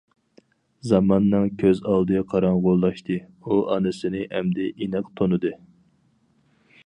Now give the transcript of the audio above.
زاماننىڭ كۆز ئالدى قاراڭغۇلاشتى، ئۇ ئانىسىنى ئەمدى ئېنىق تونۇدى...!